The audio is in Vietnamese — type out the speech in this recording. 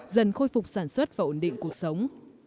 dần khôi phục sản xuất và ổn định cuộc sống